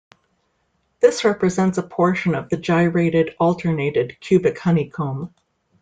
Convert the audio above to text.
This represents a portion of the gyrated alternated cubic honeycomb.